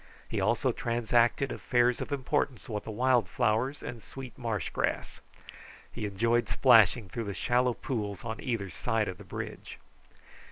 He also transacted affairs of importance with the wild flowers and sweet marsh grass. He enjoyed splashing through the shallow pools on either side of the bridge.